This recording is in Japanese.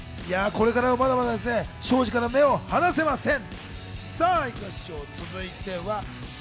これからもまだまだショージから目を離せません。